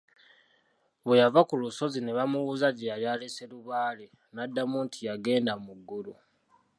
Bwe yava ku lusozi ne bamubuuza gye yali alese Lubaale, n’addamu nti yagenda mu ggulu.